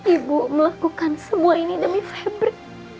ibu melakukan semua ini demi hybrid